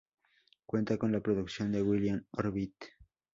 Cuenta con la producción de William Orbit.